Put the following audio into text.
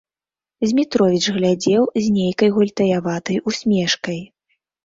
Змітровіч глядзеў з нейкай гультаяватай усмешкай.